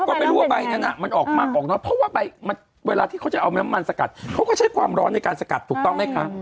พอไปรู้อ่ะใบออกมาออกมาไวล่าจะเอามันสกัดเขาจะใช้ความร้อนในสกัดถูกต้องไหมคะ